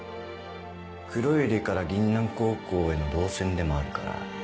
黒百合から銀杏高校への動線でもあるから。